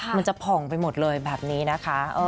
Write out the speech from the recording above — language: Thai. มันจะผ่องไปหมดเลยแบบนี้นะคะ